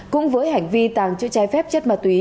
cũng với hành vi tàng trữ trái phép chất ma túy